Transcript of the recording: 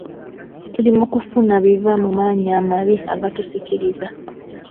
Tuli mu kufuna biva mu maanyi amabi agatusikiriza.